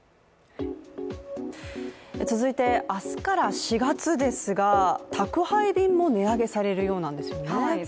続いて、明日から４月ですが、宅配便も値上げされるようなんですよね。